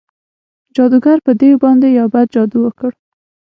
جادوګر په دیو باندې یو بد جادو وکړ.